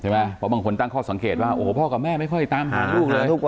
เพราะบางคนตั้งข้อสังเกตว่าโอ้โหพ่อกับแม่ไม่ค่อยตามหาลูกเลย